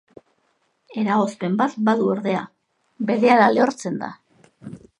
Eragozpen bat badu ordea, berehala lehortzen da.